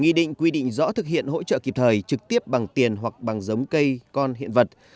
nghị định quy định rõ thực hiện hỗ trợ kịp thời trực tiếp bằng tiền hoặc bằng giống cây con hiện vật